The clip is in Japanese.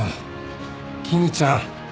絹ちゃん。